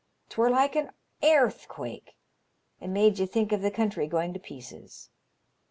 'Twere like an airthquake, and made ye think of the country going to pieces.